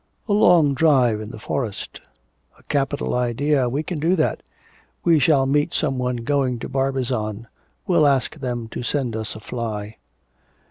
'A long drive in the forest.' 'A capital idea. We can do that. We shall meet some one going to Barbizon. We'll ask them to send us a fly.'